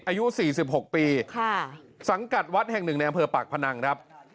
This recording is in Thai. อายุ๔๖ปีสังกัดวัดแห่งหนึ่งในอำเภอปากพนังครับ